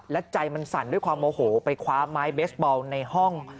และใจมันสั่นด้วยความโมโหไปคว้าไม้เบสบอลในห้อง